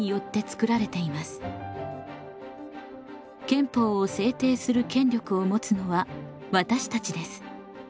憲法を制定する権力を持つのは私たちです。